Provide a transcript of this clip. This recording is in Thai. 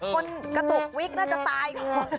คนกระตกวิ้กน่าจะตาย